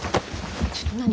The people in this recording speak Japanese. ちょっと何！？